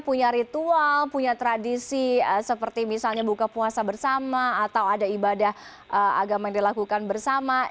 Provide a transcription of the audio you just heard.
punya ritual punya tradisi seperti misalnya buka puasa bersama atau ada ibadah agama yang dilakukan bersama